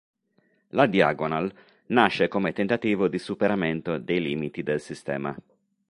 La Diagonal nasce come tentativo di superamento dei limiti del Sistema.